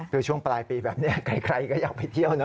คือช่วงปลายปีแบบนี้ใครก็อยากไปเที่ยวเนอ